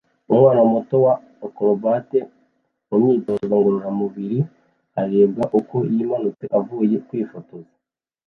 Umwana muto wa Acrobatic mumyitozo ngororamubiri arebwa uko yimanutse avuye kwifotoza